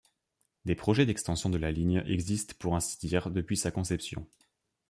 Des projets d'extension de la ligne existent pour ainsi dire depuis sa conception.